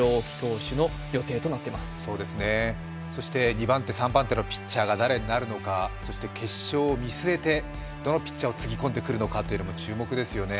２番手、３番手のピッチャーが誰になるのか、そして決勝を見据えて、どのピッチャーをつぎ込んでくるのか注目ですよね。